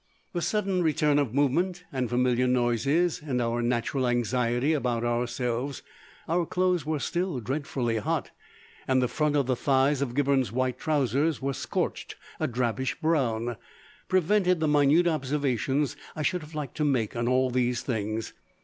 The sudden return of movement and familiar noises, and our natural anxiety about ourselves (our clothe's were still dreadfully hot, and the fronts of the thighs of Gibberne's white trousers were scorched a drabbish brown), prevented the minute observations I should have liked to make on all these things.